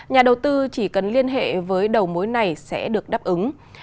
nhà đầu tư chỉ cần liên hệ với đầu mối này sẽ được đáp ứng